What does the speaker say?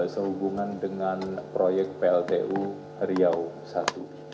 sehubungan dengan proyek pltu riau i